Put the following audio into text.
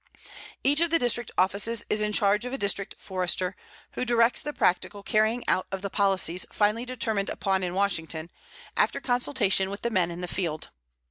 Each of the District offices is in charge of a District Forester, who directs the practical carrying out of the policies finally determined upon in Washington, after consultation with the men in the field.